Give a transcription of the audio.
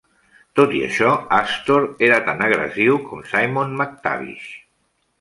Tot i això, Astor era tan agressiu com Simon McTavish.